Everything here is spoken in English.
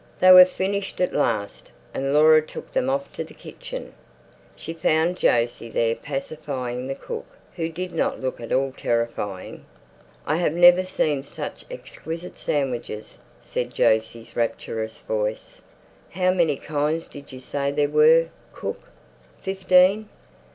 They were finished at last, and Laura took them off to the kitchen. She found Jose there pacifying the cook, who did not look at all terrifying. "I have never seen such exquisite sandwiches," said Jose's rapturous voice. "How many kinds did you say there were, cook? Fifteen?"